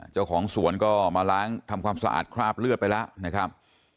เจ้าของสวนก็มาล้างทำความสะอาดคราบเลือดไปแล้วนะครับ